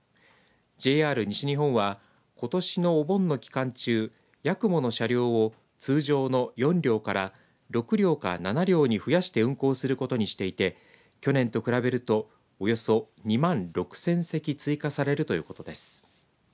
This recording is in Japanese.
ＪＲ西日本はことしのお盆の期間中やくもの車両を通常の４両から６両か７両に増やして運行することにしていて去年と比べるとおよそ２万６０００席追加されるということです。